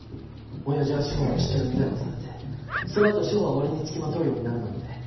親父は志法の父親に逮捕されてそのあと志法は俺に付きまとうようになるなんて。